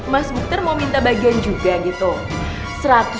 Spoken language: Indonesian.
mas bukter mau minta bagian juga gitu